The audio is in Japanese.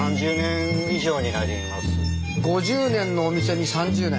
５０年のお店に３０年？